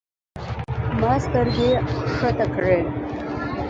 ما سترګې کښته کړې.